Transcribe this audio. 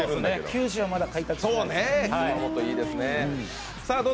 九州はまだ開拓してないです。